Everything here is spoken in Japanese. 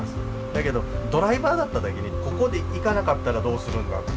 だけど、ドライバーだっただけにここで行かなかったらどうするんだ。